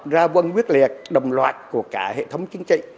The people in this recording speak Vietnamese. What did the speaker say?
ra quân quyết liệt đồng loạt của cả hệ thống chính trị